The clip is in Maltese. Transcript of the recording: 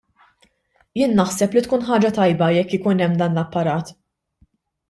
Jien naħseb li tkun ħaġa tajba jekk ikun hemm dan l-apparat.